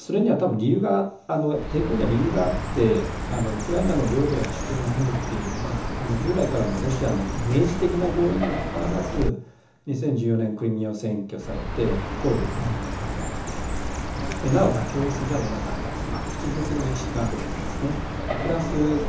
抵抗には理由があってウクライナの領土や主権を守るという従来的なロシアの明示的な合意にもかかわらず、２０１４年クリミアは占拠されて東部ウクライナにも入られてなお妥協せざるをえなかったという屈辱の歴史があるんですね。